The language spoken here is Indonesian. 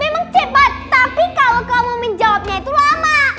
memang cepat tapi kalau kamu menjawabnya itu lama